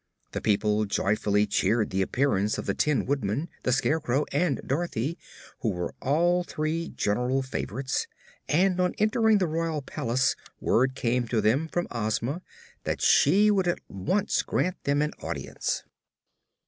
The people joyfully cheered the appearance of the Tin Woodman, the Scarecrow and Dorothy, who were all three general favorites, and on entering the royal palace word came to them from Ozma that she would at once grant them an audience.